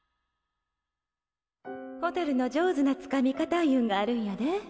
ホタルの上手なつかみ方いうんがあるんやで。